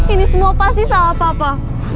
ini semua pasti salah papa